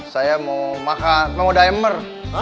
saya mau makan mau dimer